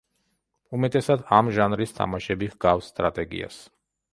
უმეტესად ამ ჟანრის თამაშები ჰგავს სტრატეგიას.